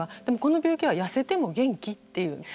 でもこの病気はやせても元気っていう。